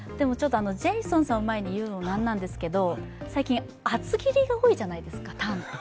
ジェイソンさんを前に言うのもなんなんですけど、最近タンって厚切りが多いじゃないですか。